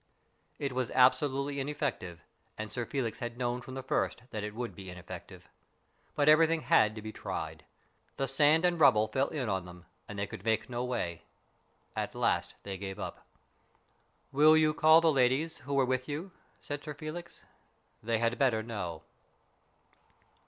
It was absolutely ineffective, and Sir Felix had known from the first that it would be ineffective. But everything had to be tried. The sand and rubble fell in on them, and they could make no way. At last they gave it up. " Will you call the ladies who were with you ?" said Sir Felix. " They had better know."